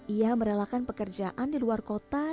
ia merelakan pekerjaan di luar kota